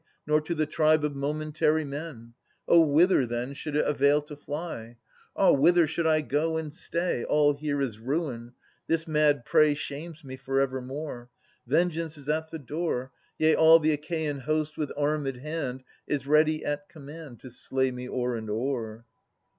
Nor to the tribe of momentary men. — Oh, whither, then. Should it avail to fly ? Ah ! whither should I go and stay ? All here is ruin. This mad prey Shames me for evermore: Vengeance is at the door ; Yea, all the Achaean host, with armed hand, Is ready at command To slay me o'er and o'er.